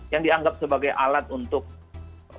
yang dianggap sebagai alat untuk